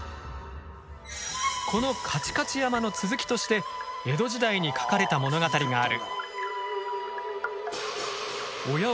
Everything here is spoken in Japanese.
この「かちかち山」の続きとして江戸時代に書かれた物語がある。